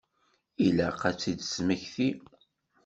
Ilaq ad t-id-tesmekti.